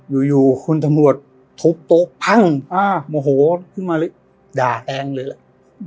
อยู่อยู่คุณธรรมรวจทุบตุบพังอ่าโมโหขึ้นมาเลยด่าแกงเลยแหละ